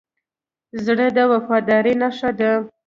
زړه د وفادارۍ نښه ده.